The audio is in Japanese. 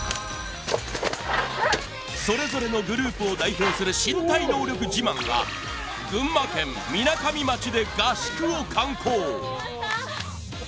それぞれのグループを代表する身体能力自慢が群馬県みなかみ町で合宿を敢行